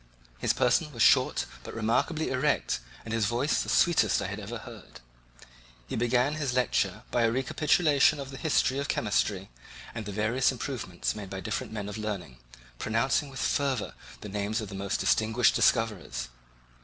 His person was short but remarkably erect and his voice the sweetest I had ever heard. He began his lecture by a recapitulation of the history of chemistry and the various improvements made by different men of learning, pronouncing with fervour the names of the most distinguished discoverers.